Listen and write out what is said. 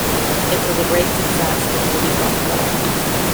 It was a great success until he got caught.